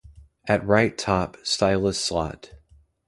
At right top, stylus slot.